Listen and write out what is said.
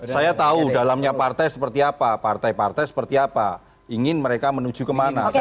saya tahu dalamnya partai seperti apa partai partai seperti apa ingin mereka menuju kemana